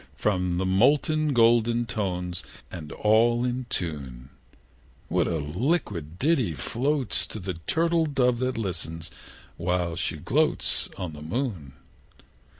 From the molten golden notes, And all in tune, What a liquid ditty floats To the turtle dove that listens, while she gloats On the moon!